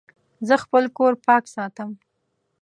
زه خپل کور پاک ساتم.